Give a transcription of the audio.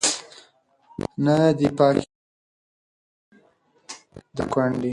نه دي پاکي کړلې سرې اوښکي د کونډي